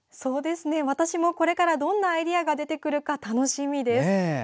私もこれからどんなアイデアが出てくるか楽しみです。